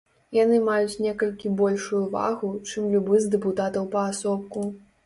Яны маюць некалькі большую вагу, чым любы з дэпутатаў паасобку.